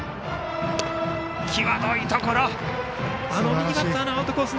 右バッターのアウトコース